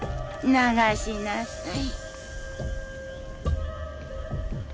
流しなさい。